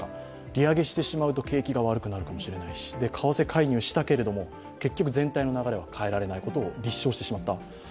利上げしてしまうと景気が悪くなるかもしれないし、為替介入したけれども結局全体の流れは変えられないことを立証してしまった。